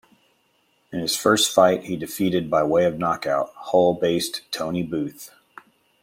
In his first fight he defeated by way of knockout, Hull-based Tony Booth.